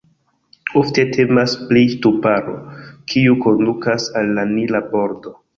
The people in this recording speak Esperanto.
Ofte temas pri ŝtuparo, kiu kondukas al la Nila bordo.